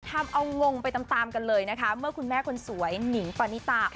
ทำเอางงไปตามตามกันเลยนะคะเมื่อคุณแม่คนสวยหนิงปานิตา